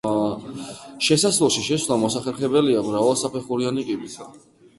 შესასვლელში შესვლა მოსახერხებელია მრავალსაფეხურიანი კიბით.